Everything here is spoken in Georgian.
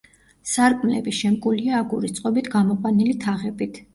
სარკმლები შემკულია აგურის წყობით გამოყვანილი თაღებით.